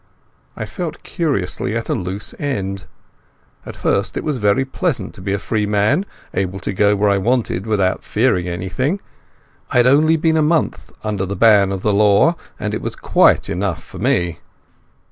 I felt curiously at a loose end. At first it was very pleasant to be a free man, able to go where I wanted without fearing anything. I had only been a month under the ban of the law, and it was quite enough for me.